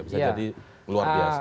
bisa jadi luar biasa